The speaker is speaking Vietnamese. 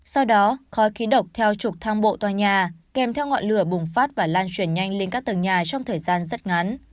sau đó khói khí độc theo trục thang bộ tòa nhà kèm theo ngọn lửa bùng phát và lan truyền nhanh lên các tầng nhà trong thời gian rất ngắn